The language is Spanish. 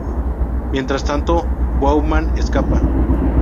Mientras tanto Bowman escapa.